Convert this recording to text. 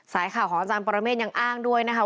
สายข่าวของอาจารย์ปรเมฆยังอ้างด้วยนะคะ